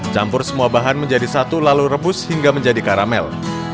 campur semua bahan menjadi satu lalu rebus hingga menjadi karamel